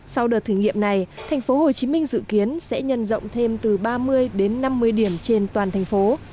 sau đợt thử nghiệm này tp hcm dự kiến sẽ nhân rộng thêm từ ba mươi đến năm mươi điểm trên toàn thành phố